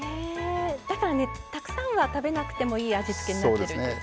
だからたくさんは食べなくてもいい味付けになってるんですね。